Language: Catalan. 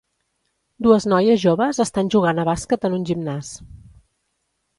Dues noies joves estan jugant a bàsquet en un gimnàs.